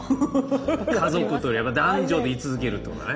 家族とやっぱ男女で居続けるってことだね。